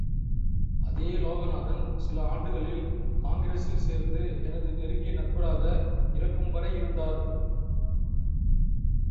அதே லோகநாதன் சில ஆண்டுகளில் காங்கிரசில் சேர்ந்து எனது நெருங்கிய நண்பராக இறக்கும் வரை இருந்தார்.